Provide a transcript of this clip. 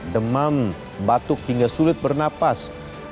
demam batuk hingga sulit bernapas